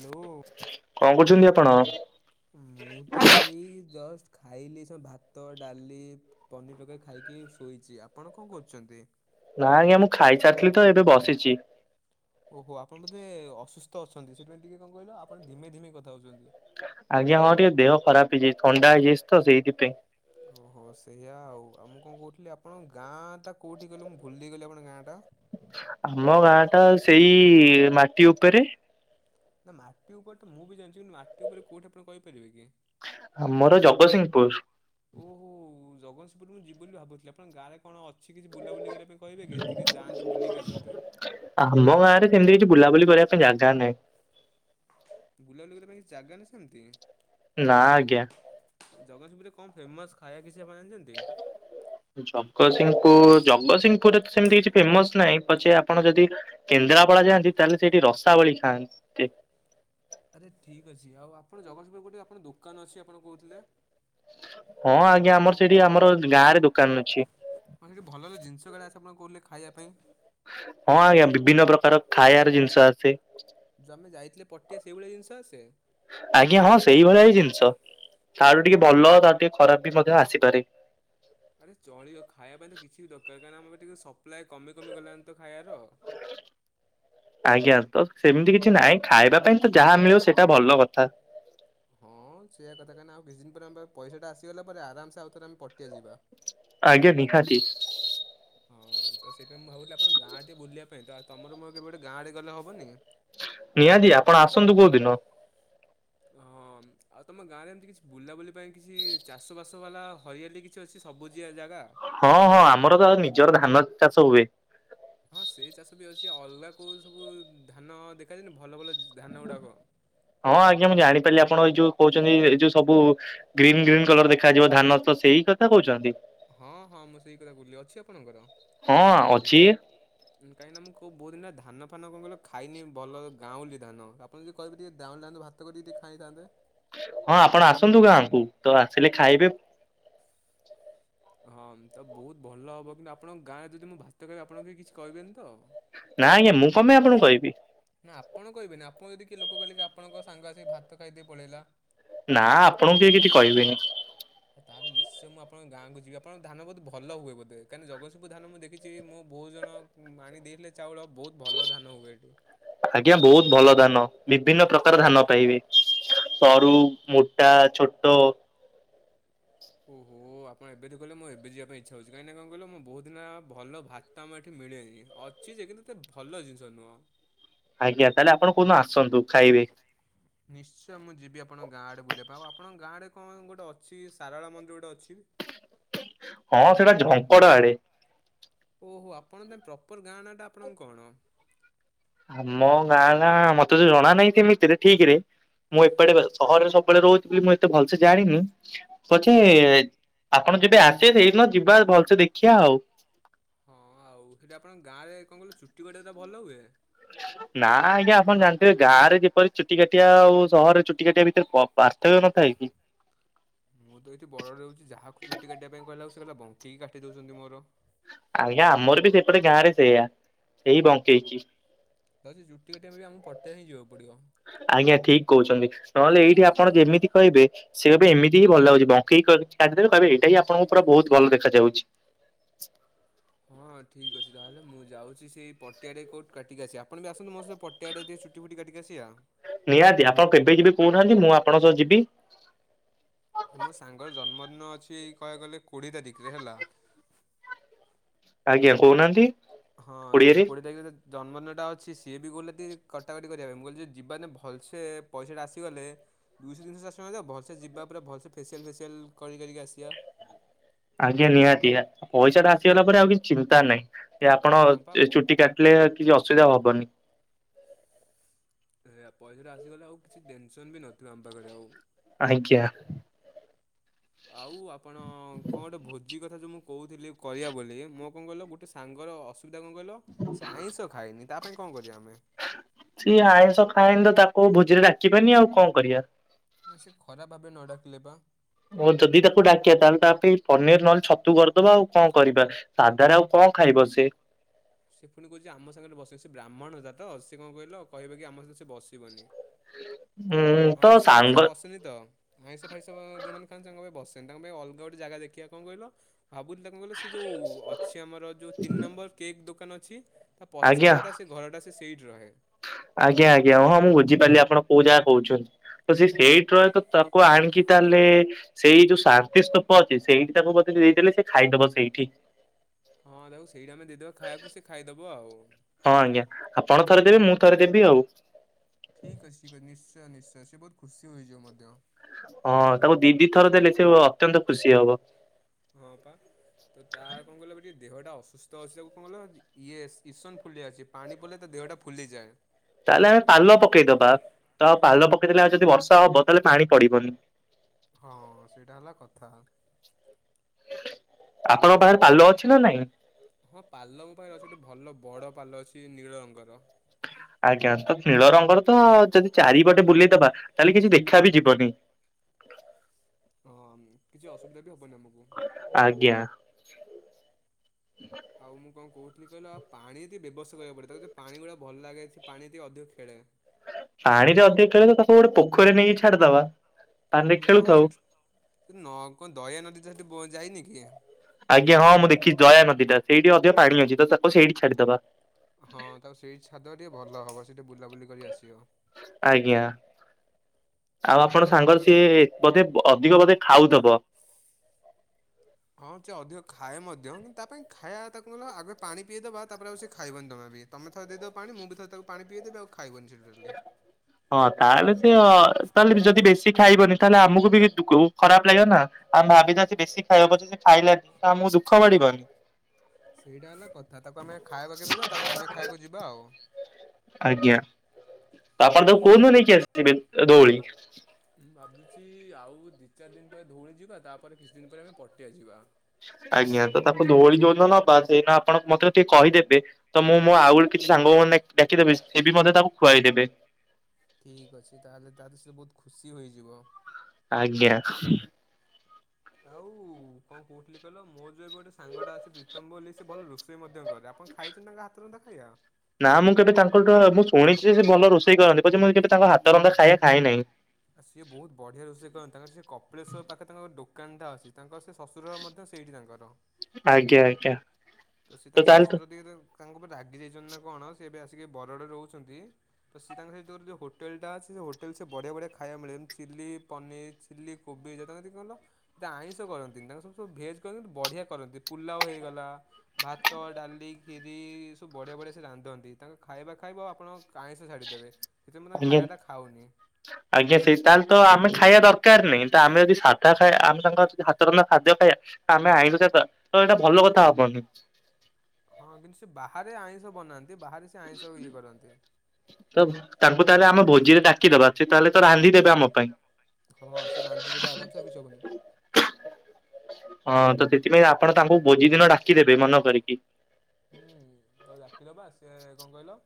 Hello କଣ କରୁଛନ୍ତି ଆପଣ? ମୁଁ ତ ଏଇ ଜଷ୍ଟ ଖାଇଲି ସ ଭାତ, ଡାଲି ପନିର ତରକାରି ଖାଇକି ଶୋଇଛି। ଆପଣ କଣ କରୁଛନ୍ତି? ନାଁ ଆଜ୍ଞା। ମୁଁ ଖାଇସାରିଥିଲି ତ ଏବେ ବସିଛି। ଓହୋ। ଆପଣ ବୋଧେ ଅସୁସ୍ଥ ଅଛନ୍ତି। ସେଥିପାଇଁ ଟିକେ କଣ କହିଲ ଆପଣ ଧିମେଇ ଧିମେଇ କଥା ହଉଛନ୍ତି? ଆଜ୍ଞା। ହଁ ଟିକେ ଦେହ ଖରାପ ହେଇଯାଇଛି। ଥଣ୍ଡା ହେଇଯାଇଛି ତ ସେଇଥିପାଇଁ। ଓହୋ। ତ ସେଇଆ ଆଉ। ଆଉ ମୁଁ କଣ କହୁଥିଲି! ଆପଣଙ୍କ ଗାଁ ଟା କୋଉଠି କହିଲେ ମୁଁ ଭୁଲି ଗଲି ଆପଣଙ୍କ ଗାଁ ଟା? ଆମ ଗାଁ ଟା ସେଇ ମାଟି ଉପରେ। ନା ମାଟି ଉପରେ ତ ମୁଁ ବି ଜାଣିଛି। କିନ୍ତୁ ମାଟି ଉପରେ କୋଉଠି ଆପଣ କହିପାରିବେ କି? ଆମର ଜଗତସିଂହପୁର। ଓହୋ! ଜଗତସିଂହପୁର ମୁଁ ଯିବି ବୋଲି ଭାବୁଥିଲି। ଆପଣଙ୍କ ଗାଁରେ କଣ ଅ ଛି କିଛି ବୁଲାବୁଲି କରିବା ପାଇଁ କହିବେ କି? ଟିକେ ଯାଆନ୍ତେ ବୁଲିକି ଆସନ୍ତେ! ଆମ ଗାଁରେ ସେମିତି କିଛି ବୁଲାବୁଲି କରିବା ପାଇଁ ଜାଗା ନାହିଁ। ବୁଲାବଲି କରିବା ପାଇଁ କିଛି ଜାଗା ନାହିଁ ସେମିତି? ନାଁ ଆଜ୍ଞା। ଜଗତସିଂହପୁରରେ କଣ ଫେମସ ଖାଇବା କିଛି ଆପଣ ଜାଣିଛନ୍ତି? ଜଗତସିଂହପୁର ଜଗତସିଂହପୁରରେ ତ ସେମିତି କିଛି ଫେମସ ନାହିଁ। ପଛେ ଆପଣ ଯଦି କେନ୍ଦ୍ରାପଡା ଯାଆନ୍ତି ତାହେଲେ ସେଇଠି ରସାବଳି ଖାଆନ୍ତି। ଆରେ ଠିକ୍ ଅଛି। ଆଉ ଆପଣ ଜଗତସିଂହପୁରରେ କୋଉଠି ଆପଣଙ୍କ ଦୋକାନ ଅଛି ଆପଣ କହୁଥିଲେ? ହଁ ଆଜ୍ଞା ଆମର ସେଠି ଆମର ଗାଁ ରେ ଦୋକାନ ଅଛି। ମାନେ ସେ [inaudible] ଭଲ ଜିନିଷଗୁଡ଼ା ଆସ ଆପଣ କହୁନା ଖାଇବା ପାଇଁ। ହଁ ଆଜ୍ଞା ବିଭିନ୍ନ ପ୍ରକାର ଖାଇବାର ଜିନିଷ ଆସେ। ଯୋଉ ଆମେ ଯାଇଥିଲେ ପଟିଆ ସେଇଭଳିଆ ଜିନିଷ ଆସେ? ଆଜ୍ଞା ହଁ ସେଇଭଳିଆ ହିଁ ଜିନିଷ। ତାଠୁ ଟିକେ ଭଲ ତା ଟିକେ ଖରାପ ବି ମଧ୍ୟ ଆସିପାରେ! ଆରେ ଚଳିବ ଖାଇବା ପାଇଁ ତ କିଛି ବି ଦରକାର। କାହିଁକି ଆମର ଟିକେ ସପ୍ଲାଏ କମି କମି ଗଲାଣି ତ ଖାଇବାର। ଆଜ୍ଞା ତ ସେମିତି କିଛି ନାହିଁ ଖାଇବା ପାଇଁ ତ ଯାହା ମିଳିବ ସେଇଟା ଭଲ କଥା। ହଁ ସେଇଆ କଥାଟା ନା ଆଉ କିଛି ଦିନ ପରେ ଆମ ପଇସା ଆସିଗଲା ପରେ ଆରାମସେ ଆଉଥରେ ଆମେ ପଟିଆ ଯିବା। ଆଜ୍ଞା ନିହାତି। ହଁ ତ ସେଇଥିପାଇଁ ମୁଁ ଭାବୁଥିଲି ଆପଣ ଗାଁ ଟିକେ ବୁଲିବା ପାଇଁ ତ ତମର ମୋର କେବେ ଗୋଟେ ଗାଁ ଆଡେ ଗଲେ ହବନି। ନିହାତି ଆପଣ ଆସନ୍ତୁ କୋଉ ଦିନ। ହଁ। ଆଉ ତମ ଗାଁରେ ଏମିତି କିଛି ବୁଲାବୁଲି ପାଇଁ କିଛି ଚାଷବାସ ବାଲା ହରିଆଲି କିଛି ଅଛି ସବୁଜିଆ ଜାଗା। ହଁ ହଁ ଆମର ତ ନିଜର ଧାନ ଚାଷ ହୁଏ। ହଁ ସେଇ ଚାଷ ବି ଅଛି ଅଲଗା କୋଉ ସବୁ ଧାନ ଦେଖାଯାନି ଭଲ ଭଲ ଧାନ ଗୁଡାକ। ହଁ ଆଜ୍ଞା ମୁଁ ଜାଣିପାରିଲି ଆପଣ ଏଇ ଯୋଉ କହୁଛନ୍ତି ଏଇ ଯୋଉ ସବୁ ଗ୍ରୀନ୍ ଗ୍ରୀନ୍ କଲର ଦେଖାଯିବ ଧାନ ତ ସେଇ କଥା କହୁଛନ୍ତି। ହଁ ହଁ ମୁଁ ସେଇ କଥା କହୁଥିଲିି ଅଛି ଆପଣଙ୍କର। ହଁ ଅଛି। ହ [inaudible] କାହିଁକିନାଁ କଉ ବହୁତ ଦିନ ଧାନ ଫାନ କଣ କହିଲ ଖାଇନି ଭଲ ଗାଉଁଲି ଧାନ ଆପଣ ଯଦି କହିବେ ଟିକିଏ ଗାଉଁଲି ଧାନ ଭାତ ତାକୁ ଟିକେ ଦେ ଖାଇଥାନ୍ତେ। ହଁ ଆପଣ ଆସନ୍ତୁ ଗାଁକୁ ତ ଆସିଲେ ଖାଇବେ। ହଁ ତ ବହୁତ ଭଲ ହବ କିନ୍ତୁ ଆପଣଙ୍କ ଗାଁରେ ଯଦି ମୁଁ ଭାତ ଖାଇବି ଆପଣଙ୍କୁ କେହି କିଛି କହିବେନି ତ। ନାଁ ଆଜ୍ଞା ମୁଁ କପାଇ ଆପଣଙ୍କୁ କହିବି। ନା ଆପଣ କହିବେନି ଆପଣ ଯଦି କିଏ ଲୋକ କହିଲି ଆପଣଙ୍କ ସାଙ୍ଗ ଆସିକି ଭାତ ଖାଇଦି ପଳେଇଲା। ନା ଆପଣଙ୍କୁ ବି କିଛି କହିବେନି। ତାହେଲେ ନିଶ୍ଚୟ ମୁଁ ଆପଣଙ୍କ ଗାଁକୁ ଯିବି ଆପଣଙ୍କ ଧାନ ବହୁତ ଭଲ ହୁଏ ବୋଧ କହିଁନା ଜଗତସିଂପ ଧାନ ମୁଁ ଦେଖିଛି ମୁଁ ବହୁତ ଜଣ ମାଣିଦଲେ ଚାଉଳ ବହୁତ ଭଲ ଧାନ ହୁଏ ଏଠି। ଆଜ୍ଞା ବହୁତ ଭଲ ଧାନ ବିଭିନ୍ନ ପ୍ରକାର ଧାନ ପାଇବି ସରୁ ମୁ, ତା ଛୋଟ। ଓହୋ ଆପଣ ଏବେ ତ କହିଲେ ମୁଁ ଏବେ ଯିବା ପାଇଁ ଇଚଛା ହଉଛି। କାହିଁକି କଣ କହିଲ ମୁ ବହୁତଦିନ ଭା ତ ଆମ ଏଠି ମିଳେନି ଅଛି ଯେ କିନ୍ତୁ ଏତେ ଭଲ ଜିନିଷ ନୁହଁ। ଆଜ୍ଞା ତାହେଲେ ଆପଣ କଉ ଦିନ ଆସନ୍ତୁ ଖାଇବେ। [unintelligible] ନିଶ୍ଚୟ ମୁଁ ଯିବି ଆପଣଙ୍କ ଗାଁ ଆଡେ ବୁଲିବା ପାଇଁ ଆଉ ଆପଣଙ୍କ ଗାଁ ଆରେ କଣ ଗୋଟେ ଅଛି ସାରଳା ମନ୍ଦିର ଗୋଟେ ଅଛି। ହଁ ସେଟା ଝଙ୍କଡ ଆଡେ। ଓ ହୋ ଆପଣଙ୍କ ପାଇଁ ପ୍ରପର ଗାଁ ନା ଟା ଆପଣଙ୍କ କଣ? ଆମ ଗାଁଲା ମତେ ତ ଜଣା ନାହିଁ ସେମିତିରେ ଠିକ ରେ। ମୁଁ ଏପଟେ ସହରରେ ସବୁବେଳେ ରହୁଥିଲି ମୁଁ ଏତେ ଭଲସେ ଜାଣିନି। ପଛେ ଆପଣ ଯବେ ଆସିବେ ସେଇଦିନ ଯିବା ଭଲସେ ଦେଖିବା ଆଉ। ହଁ ଆଉ ସେଇଠି ଆପଣଙ୍କ ଗାଁରେ କଣ କହିଲ ଚୁଟି କଟା ତ ଭଲ ହୁଏ ନା ଆଜ୍ଞା ଆପଣ ଜାଣିଥିବେ ଗାଁରେ ଯେପରି ଚୁଟି କାଟିବା ଆଉ ସହରରେ ଚୁଟି କାଟିବା ଭିତରେ ପାର୍ଥବ୍ୟ ନଥାାଇ କି? ମୁଁ ତ ଏଠି ବଡ ରହୁଛି ଯାହାକୁ ଚୁଟି କାଟିବା ପାଇଁ କହିଲ ସେ କହିଲ ବଙ୍କିକି କାଟି ଦେଉଛନ୍ତି ମୋର। ଆଜ୍ଞା ଆମର ବି ସେପଟେ ଗାଁ ରେ ସେଇଆା ସେଇି ବଙ୍କେଇକି। ହଉ ସେ ଚୁଟି କାଟିବା ଆମ ପଟିଆ ହିଁ ଯିବା ପଡିବ। ଆଜ୍ଞା ଠିକ କହୁଛନ୍ତି। ନହେଲେ ଏଇଠି ଆପଣ ଯେମିତି କହିବେ ସେ କହେ ଏମିତି ହି ଭ ଲାଗଛି ବଙ୍କେଇକି କାଟିଦେବେ ଦେବେ ଏଇଟା ହି ଆପଣଙ୍କୁ ପୁରା ବହୁତ ଭଲ ଦେଖାଯାଉଛି। ହଁ ଠିକ ଅଛି ତାହେଲେ ମୁଁ ଯାଉଛି ସେଇ ପଟିଆରେ କଉଁ କାଟିକା ଅଛି ଆପଣ ବି ଆସନ୍ତୁ ମୋ ସହ ପ [unintelligible] ଛୁଟି ଫୁଟି କତିକି ଆସିବା ନିହାତି ଆପଣ କେବେ ଯିବି କହୁନାହାନ୍ତି ମୁଁ ଆପଣଙ୍କ ସହ ଯିବି। ମୋ ସାଙ୍ଗର ଜନ୍ମଦିନ ଅଛି କହିବାକୁ ଗଲେ କୋଡ଼ିଏ ତାରିଖରେ ହେଲା। ଆଜ୍ଞା କହୁନାହାନ୍ତି। ହଁ ଜ କୋଡିଏରେ। କୋଡିଏ ତାରିଖ [unintelligible] ଜନ୍ମଦିନଟା ଅଛି ସିଏ ବି କହିଲ କି କଟାକଟି କରିବା ପାଇଁ ମୁଁ କହିଲି ଯେ ଯିବାନେ ଭଲସେ ପଇସାଟା ଆସିଗଲେ। ଦୁଇଶହ ତିନିହ ଚରିଶହ ଟଙ୍କା ହେଇଥଊ ଭଲସେ ଜିବା ପୁରା ଭଲସେ ଫେସିଆଲ ଫେସିଆଲ୍ କରି କରିକି ଆସିବା। ଆଜ୍ଞା ନିହାତି ପଇସା ଟା ଆସିଗଲା ପରେ ଆଉ କିଛି ଚିନ୍ତା ନାହିଁ ଯେ ଆପଣ ହଁ ପା ପ- ଚୁଟି କା ଲେ କିଛି ଅସୁବିଧା ହବନି। ସେଇୟା ପଇସାଟା ଆସିଗଲେ ଆଉ କିଛି ଟେନସନ୍ ବି ନଥିବ ଆମ ପାଖରେ ଆଉ। ଆଜ୍ଞା। ଆଉ ଆପଣ କଣ ଗୋଟେ ଭୋଜି କଥା ଯୋଉ ମୁଁ କହୁଥିଲି କରିବା ବୋଲି ମୋ କଣ କହିଲ ଗୋଟେ ସାଙ୍ଗର ଅସୁବିଧା କଣ କହିଁଲ ସେ ଆଇଁଷ ଖାଇନି ତା ପାଇଁ କଣ କରିବା ଆମେ ସିଏ ଆଇଁଷ ଖାଏନି ତ ତାକୁ ଭୋଜିରେ ଡାକିବାନି ଆଉ କଣ କରିବା। ନା ସେ ଖରାପ୍ ଭାବି ବ ନଡ଼ାକିଲେ ବା। ଓ ଯଦି ତାକୁ ଡାକିବା ତାହେଲେ ତାପା ଇଁ ପନିର ନହେଲେ ଛତୁ କରିଦବା ଆଉ କଣ କରିବା। ସାଧାରେ ଆଉ କଣ ଖାଇବ ସେ? ସେ ପୁଣି କହୁଛି ଆମ ସାଙ୍ଗରେ ବସିବ ସେ ବ୍ରାହ୍ମଣ ଗୁରାଆ ତ ସେ କଣ କହିଲ କହିବେ କି ଆମ ସାଙ୍ଗ ସେ ବସିବନି। [inaudible] ତ ଆଇଁଷ ପାଖରେ ସାଙ୍ଗ ସେ ବସୁନି ତ। ଆଇଁଷ ଫାଇଁନ୍ସ ଯୋଉମାନେ ଖାଆନ୍ତି ତାଙ୍କ ପାଇଁ ବସେନି ତାଙ୍କ ପାଇଁ ଅଲଗ ଗଟେ ଜାଗା ଦେଖିବା କଣ କହିଲ? ଭାବୁଥିଲି ତାଙ୍କୁ କହିଲ ସେ ଯେଉଁ ଅଛି ଆମର ଯଉ ତିନି ନମ୍ବର କେକ୍ ଦୋକାନ ଅଛି ତା ଆଜ୍ଞା ପଛପଟେ ତା ସେ ଘରଟା ସେଇଠି ରହେ। ଆଜ୍ଞା ଆଜ୍ଞା ହଁ ବୁଝିପାରିଲି ଆପଣ କୋଉ ଜାଗହା କହୁଛନ୍ତି। ତସେ ସେଠି ରହେ ତ ତାକୁ ଆଣିକି ତାହେଲେ ସେଇ ଯୋଉ ଶାନ୍ତି ସ୍ତୂପ ଅଛି ସେଇଠି ତାକୁ ବେ ଦେଇଦେଲେ ସେ ଖାଇଦବ ସେଇଠି। ହଁ ତାକୁ ସେଇଠି ଆମେ ଦେଇଦବା ଖାଇବାକୁ ସେ ଖାଇଦବା ଆଉ। ହଁ ଆଜ୍ଞା ଆପଣ ଥରେ ଦେବେ ମୁଁ ଥରେ ଦେବି ଆଉ। ଠିକ୍ ଅଛି ଠିକ୍ ଅଛି ନିଶ୍ଚୟ ନିଶ୍ଚୟ ସେ ବହୁତ ଖୁସି ହୋଇଯିବ ମଧ୍ୟ ହଁ ତାକୁ ଦିଦି ଥର ଦେଲେ ସେ ଅତ୍ୟନ୍ତ ଖୁସି ହବ। ହଁ ପା। ତାର କଣ କହିଲ ଟିକେ ଦେହଟା ଅସୁସ୍ତ ଅଛି ତାକୁ କଣ କହିଲ ଇଏ ଇସନ ଫୁଲିଆ ଅଛି। ପାଣି ପଡିଲେ ତା ଦେହଟା ଫୁଲିଯାଏ। ତାହେଲେ ଆମେ ପାଲ ପକେଇଦବା ତ ପାଲ ପକେଇଦେଲେ ଆମେ ଯଦି ବର୍ଷା ହବ ତାହେଲେ ପାଣି ପଡିବନି। ହଁ ସେଇଟା ହେଲା କଥା। ଆପଣଙ୍କ ପାଖରେ ପାଲ ଅଛି ନା ନାଇଁ? ହଁ ପାଲ ମୋ ପାଇଁ ଅଛି ଗୋଟେ ଭଲ ବଡ ପାଲ ଅଛି ନୀଳ ରଙ୍ଗର। ଆଜ୍ଞା ତ ନୀଳ ରଙ୍ଗର ତ ଯଦି ଚାରିପଟେ ବୁଲେଇଦବା ତାହେଲେ କିଛି ଦେଖା ବି ଯିବନି। ହଁ କିଛି ଅସୁବିଧା ବି ହବନି ଆମକୁ। ଆଜ୍ଞା। ଆଉ ମୁଁ କଣ କହୁଥିଲି କହିଲ ଆଉ ପାଣି ଟିକେ ବ୍ୟବସ୍ତା କରିବାକୁ ପଡ଼ିବ ତାକୁ ଯି ପାଣି ଗୁଡା ଭଲ ଲାଗେ ପାଣି ସହିତ ଟିକେ ଅଧିକ ଖେଳେ। ପାଣିରେ ଅଧିକ ଖେଳେ ତ ତାକୁ ଗୋଟେ ପୋଖରୀ ରେ ନେଇକି ଛାଡିଦବା। ପାଣିରେ ହଁ ଖେଳୁଥାଉ। ସେଠି ସେଠ ନ କଣ ଦୟଆ ନଦୀ ସେଠି ଯାଇନି କି? ଆଜ୍ଞା ମୁଁ ଦେଖି ଦୟା ନଦୀ ଟା ସେଇଠି ଅଧିକ ପାଣି ଅଛି ତ ତାକୁ ସେଇଠି ଛାଡିଦବା। ହଁ ତାକୁ ସେଇଠି ଛାଡ଼ିଦେବା ଟିକେ ଭଲ ହବ ସେଇଠି ବୁଲାବୁଲି କରି ଆସିବ। ଆଜ୍ଞା ଆଉ ଆପଣ ହଁ ତ ସାଙ୍ଗ ସିଏ ବୋଧେ ଅଧିକ ବୋଧେ ଖାଉଥବ। [inaudible] ହଁ ସେ ଅଧିକ ଖାଏ ମଧ୍ୟ କିନ୍ତୁ ତା ପାଇଁ ଖାଇବା ତାକୁ ନହେଲେ ଆଗେ ପାଣି ପିଇ ଦେବା ତାପରେ ଆଉ ସେ ଖାଇବନି ଜମା ବି। ତମେ ଥ ଦେଇଦବ ପାଣି ମୁଁ ବି ଥ ତାକୁ ପାଣି ପିଇ ଦେବି ଆଉ ଖାଇବନି ସେ ଟୋଟାଲି। ହଁ ତାହେଲେ ସେ ଅ ତାହେଲେ ଯଦି ବେଶୀ ଖାଇବନି ତାହେଲେ ଆମକୁ ବି ଦୁଗୁ ଖରାପ ଲାଗେ ନା ଆମେ ଭାବିଛ ସେ ବେଶୀ ଖାଇବ ପଛେ ସେ ଖାଇଲାନି ତ ଆମକୁ ଦୁଃଖ ପଡିବନି। ସେଇଟା ହେଲା କଥା ତାକୁ ଆମେ ଖାଇବକୁ ଦେଇଦେବା ତାପରେ ଆମେ ଖାଇବାକୁ ଯିବା ଆଉ। ଆଜ୍ଞା ତାକୁ କୋଉଦିନ ନେଇକି ଆସିଥିବେ ଧୋଉଳି? ମୁଁ ଭାବୁଛି ଆଉ ଦୁଇ ଚାରି ଦିନ ପରେ ଧଉଳି ଯିବା ତାପରେ କିଛି ଦିନ ପରେ ଆମେ ପଟିଆ ଯିବା। ଆଜ୍ଞା ତ ତାକୁ ଧୋଉଳି ଯୋଉଦିନ ନବା ସେଇନ ଆପଣ ମତେ ଟିକେ କହିଦେବେ। ତ ମୁଁ ମୋ ଆଉ ଗୋଟେ କିଛି ସାଙ୍ଗ ମାନ ଡାକିଦେବି ସେ ବି ମଧ୍ୟ ତାକୁ ଖୁଆଇଦେବେ। ଠିକ୍ ଅଛି ତାହେଲେ ତାର ସେ ବହୁତ ଖୁସି ହୋଇଯିବ। ଆଜ୍ଞା। ଆଉ କଣ କହୁଥିଲି କହିଲ ମୋ ଯୋଉ ଗୋଟେ ସାଙ୍ଗଟା ଅଛି ପ୍ରୀତମ ବୋଲି ସେ ଭଲ ରୋଷେଇ ମଧ୍ୟ ଆପଣ ଖାଇଛନ୍ତି ତାଙ୍କ ହାତ ରନ୍ଧା ଖାଇଆ? ନା ମୁଁ କେବେ ତାଙ୍କଠୁ ମୁଁ ଶୁଣିଛି ଯେ ସେ ଭଲ ରୋଷେଇ କରନ୍ତି ପଛେ ମୁଁ କେବେ ତାଙ୍କ ହାତ ରନ୍ଧା ଖାଇବା ଖାଇ ନାହିଁ। ସିଏ ବହୁତ ବଢିଆ ରୋଷେଇ କରନ୍ତି ତାଙ୍କର ସେ କପିଳେଶ୍ୱର ପାଖରେ ତାଙ୍କର ଦୋକାନଟା ଅଛି। ତାଙ୍କର ସେ ଶ୍ୱଶୁର ମଧ୍ୟ ସେଇଠି ତାଙ୍କର ଆଜ୍ଞା ଆଜ୍ଞା। ତ ସେ ତାଙ୍କ ତାହେଲେ ତ ଶ୍ୱଶୁର ଦେରେ ତାଙ୍କ ଉପରେ ରାଗି ଯାଇଛନ୍ତି ନା କଣ ସେ ଏବେ ଆସିକି ବରଗଡରେ ରହୁଛନ୍ତି। ତ ସେ ତାଙ୍କ ସହିତ ଗୋଟେ ହୋଟଲ ଟା ଅଛି ସେ ହୋଟଲ ସେ ବଢଆ ବଢିଆ ଖା ଖାଇବାକୁ ମିଳେନି ଚିଲ୍ଲି ପନିର୍, ଚିଲ୍ଲି କୋବି ଯେତେଯେତି କହିଲ। ସେ ଆଇଁଷ କରନ୍ତିନି ତାଙ୍କ ସବୁ ସବୁ ଭେଜ୍ କରନ୍ତି ବଢିଆ କରନ୍ତି ପୁଲାଉ ହେଇଗଲା ଭାତ, ଡାଲି, ଖିରି ଏ ସବୁ ବଢିଆ ବଢ଼ିଆ ସେ ରାନ୍ଧନ୍ତି ତାଙ୍କ ଖାଇବା ଖାଇବ ଆପଣ ଆଇଁଷ ଛାଡ଼ିଦେବେ ସେଥିପାଇଁ ତାଙ୍କ ଆଜ୍ଞା ଖାଇବାଟା ଖାଉନି। ଆଜ୍ଞା ସେଇ ତାହେଲେ ତ ଆମେ ଖାଇବା ଦରକାର ନାହିଁ ତ ଆମେ ଯଦି ସାଧା ଖାଇ ଆମେ ତାଙ୍କର ହା ତ ରନ୍ଧା ଖାଦ୍ୟ ଖାଇବା ଆମେ ଆଇଂଶ ଛାଡ଼ିଦବା ତ ଏଟା ଭଲ କଥା ହବନି। ହଁ କିନ୍ତୁ ସେ ବାହାରେ ଆଇଁଷ ବନାନ୍ତି ବାହାରେ ସେ ଆଇଁଷ ଇଏ କରନ୍ତି। ତ ତାଙ୍କୁ ତାହେଲେ ଆମ ଭୋଜିରେ ଡାକିଦବା ସେ ତାହେଲେ ତ ରାନ୍ଧିଦେବେ ଆମ ପାଇଁ। ହଁ ସେ ରାନ୍ଧିଦେବେ ଆରାମସେ ଆଉ କିଛି ହବନି। ହଁ ତ ସେଥିପାଇଁ ଆପଣ ତାଙ୍କୁ ଭୋଜି ଦିନ ଡାକିଦେବେ ମନ କରିକି। ହୁଁ, ତାକୁ ଡାକିଦବା ସେ କଣ କହିଲ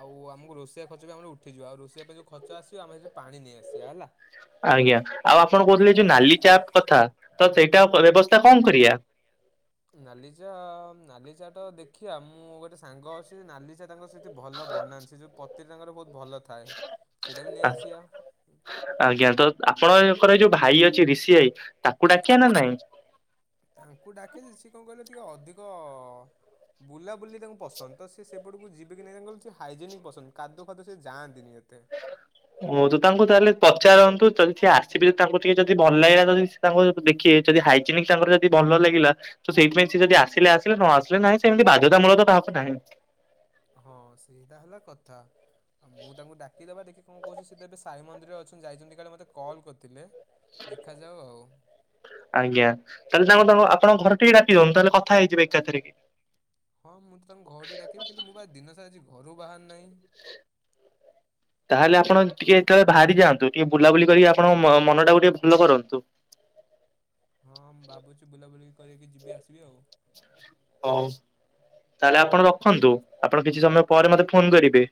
ଆଉ ଆମକୁ ରୋଷେଆ ଖର୍ଚ୍ଚ ବି ଆମର ଉଠିଯିବ ଆଉ ରୋଷେଆ ପାଇଁ ଯୋଉ ଖର୍ଚ ଆସିବ ଆମ ସେଠି ପାଣି ନେଇ ଆସିବା ହେଲା। ଆଜ୍ଞା, ଆଉ ଆପଣ କହୁଥିଲେ ଯୋଉ ନାଲି ଚା କଥା, ତ ସେଇଟା ବ୍ୟବସ୍ଥା କଣ କରିବା? ନାଲି ଚା, ନାଲି ଚା ଟା ଦେଖିବା ମୁଁ ଗୋଟେ ସାଙ୍ଗ ଅଛି ନାଲି ଚା ତାଙ୍କ ସେ ଭଲ ବନାନ୍ତି ସେ ଯେଉଁ ପତିଟା ତାଙ୍କର ବହୁତ ଭଲ ଥାଏ। ସେଇଟା ବି ନେଇଆସିବା। ଆଜ୍ଞା, ତ ଆପଣଙ୍କର ଯୋଉ ଭାଇ ଅଛି ରିଷିଆାଇ ତାକୁ ଡାକିଆ ନା ନାଇଁ? ତାଙ୍କୁ ଡାକେ ଯେ ସିଏ କଣ କହିଲେ ଟିକେ ଅଧିକ ବୁଲାବୁଲି ତାଙ୍କୁ ପସନ୍ଦ ତ ସେ ସେ ଟକୁ ଯିବେ କି ନହିଁ ତାଙ୍କୁ ସେ ହାଇଜେନିକ ପସନ୍ଦ କାଦୁଅ ଫାଦୁଅ ସେ ଯାଆନ୍ତିନି ଏତେ। ହ ତ ତାଙ୍କୁ ତାହେଲେ ପଚାରନ୍ତୁ ଯଦି ସିଏ ଆସିବବେ ଯଦି ତାଙ୍କୁ ଟିକେ ଯଦି ଭଲ ଲାଗିଲା ଯଦି ତାଙ୍କୁ ଦେଖିବେ ଯଦି ହାଇଜେନିକ ତାଙ୍କର ଯଦି ଭଲ ଲାଗିଲା ତ ସେଇଥିପାଇଁ ସିଏ ଯଦି ଆସିଲେ ଆସିଲେ ନ ଆସିଲେ ନାହିଁ, ସେମିତି ବାଧ୍ୟତାମୂଳକ ତ କାହାକୁ ନାହିଁ। ହଁ ସେଇଟା ହେଲା କଥା ଆଉ ମୁଁ ତାଙ୍କୁ ଡାକିଦବା ଟିକେ କଣ କହୁଛି ସିଏ ତ ଏବେ ସାଇ ମନ୍ଦିର ଅଛନ୍ତି ଯାଇଛନ୍ତି କାଳେ ମୋତେ କଲ୍ କରିଥିଲେ ଦେଖାଯାଉ ଆଉ। ଆଜ୍ଞା ତାହେଲେ ତାଙ୍କୁ ତାଙ୍କୁ ଆପଣଙ୍କ ଘର ଟିକେ ଡାକିଦିଅନ୍ତୁ ତା ହେଲେ କଥାହେଇଯିବେ ଏକାଥରେକେ। ହଁ ମୁଁ ତ ତାଙ୍କୁ ଘରଠି ଡାକିବି କିନ୍ତୁ ମୁ ପା ଦିନସାର ଆଜି ଘରୁ ବାହାରି ନାଇ। ତାହେଲେ ଆପଣ ଟିକେ କେତେବେଳେ ବାହାରି ଯାନ୍ତୁ ଟିକେ ବୁଲାବୁଲି କରିକି ଆପଣ ମନ ଟାକୁ ଟିକେ ଭଲ କରନ୍ତୁ। ହଁ ମୁଁ ଭାବୁଛି ବୁଲାବୁଲି କରକି ଯିବି ଆସିବି ଆଉ। ହଉ ତାହେଲେ ଆପଣ ରଖନ୍ତୁ ଆପଣ କିଛି ସମୟ ପରେ ମତେ ଫୋନ କରିବେ।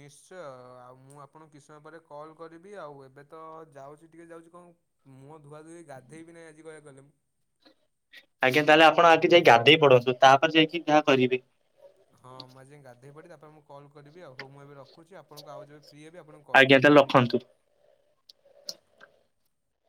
ନିଶ୍ଚୟ ଆଉ ମୁଁ ଆପଣଙ୍କୁ କିଛି ସମୟ ପରେ କଲ୍ କରିବି ଆଉ ଏବେ ତ ଯାଉଛି ଟିକେ ଯାଉଛି କଣ ମୁହଁ ଧୁଆ ଧୁଇ ହୋଇ ଗାଧେଇ ବିି ନାହିଁ ଆଜି କହିବାକୁ ଗଲେ ମୁଁ। ଆଜ୍ଞା, ତାହେଲେ ଆପଣ ଆଗେ ଯାଇ ଗାଧେଇ ପଡ଼ନ୍ତୁ, ତା ପରେ ଯାଇକି ଯାହା କରିବେ। ହଁ ମୁ ଆଜି ଗାଧେଇ ପଡି ତାପରେ ମୁଁ କଲ କରିବି ଆଉ ହଉ ମୁଁ ଏବେ ରଖ ରଖୁଛି ଆପଣଙ୍କୁ ଆଉ ଯେବେ ଫ୍ରି ହେବି ଆପଣଙ୍କୁ କଲ୍ ଆଜ୍ଞା ତାହେଲେ କରିବି। ରଖନ୍ତୁ।